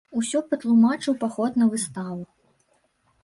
Усё патлумачыў паход на выставу.